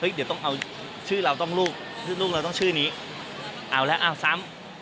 เดี๋ยวต้องเอาชื่อเราต้องลูกชื่อลูกเราต้องชื่อนี้เอาแล้วเอาซ้ำ